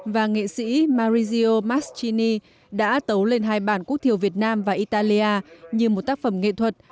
và nghệ sĩ maurizio mastrini đã tấu lên hai bản quốc thiểu việt nam và italia như một tác phẩm nghệ thuật